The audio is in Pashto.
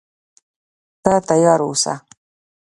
ته تیار اوسه.